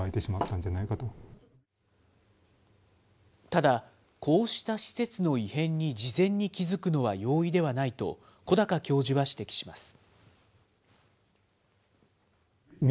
ただ、こうした施設の異変に事前に気付くのは容易ではないと、小高教授は指摘します。